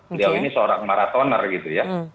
beliau ini seorang maratoner gitu ya